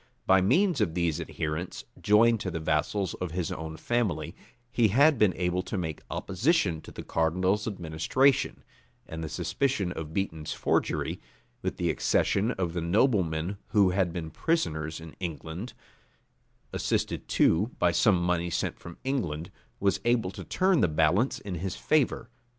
By means of these adherents, joined to the vassals of his own family, he had been able to make opposition to the cardinal's administration; and the suspicion of Beaton's forgery, with the accession of the noblemen who had been prisoners in England, assisted too by some money sent from London, was able to turn the balance in his favor.